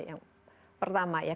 yang pertama ya